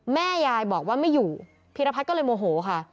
แม่ยายบอกว่าไม่อยู่พีรพัฒน์ก็เลยโมโหค่ะ